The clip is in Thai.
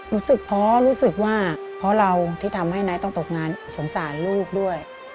รู้สึกเพราะเราที่ทำให้ในที่ต้องตกงานสงสารลูกด้วย